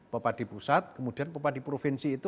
pepadi pusat kemudian pepadi provinsi itu